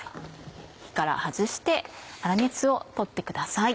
火から外して粗熱を取ってください。